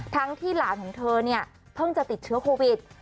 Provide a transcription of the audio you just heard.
ทั้งที่หลานของเธอพึ่งจะติดเชื้อโควิด